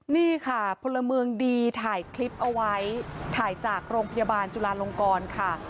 นี่ค่ะพลเมืองดีถ่ายคลิปเอาไว้ถ่ายจากโรงพยาบาลจุลาลงกรค่ะ